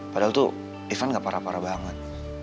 padahal tuh ivan gak parah parah banget